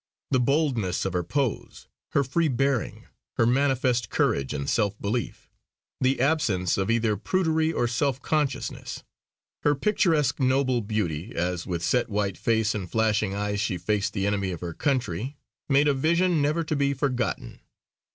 The boldness of her pose; her free bearing; her manifest courage and self belief; the absence of either prudery or self consciousness; her picturesque, noble beauty, as with set white face and flashing eyes she faced the enemy of her country, made a vision never to be forgotten.